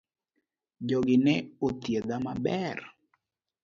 Jogi ne othiedha maber